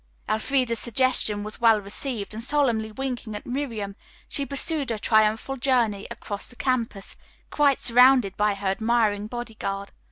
Elfreda's suggestion was well received, and solemnly winking at Miriam, she pursued her triumphal journey across the campus, quite surrounded by her admiring bodyguard.